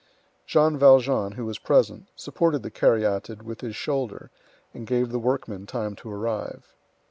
Jean Valjean, who was present, supported the caryatid with his shoulder, and gave the workmen time to arrive.